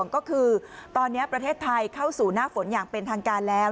ก็คือตอนนี้ประเทศไทยเข้าสู่หน้าฝนอย่างเป็นทางการแล้ว